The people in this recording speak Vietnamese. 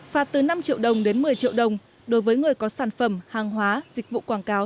phạt từ năm triệu đồng đến một mươi triệu đồng đối với người có sản phẩm hàng hóa dịch vụ quảng cáo